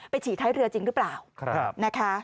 ฉี่ท้ายเรือจริงหรือเปล่านะคะ